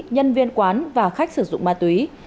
nhân viên quán và khách sử dụng ma túy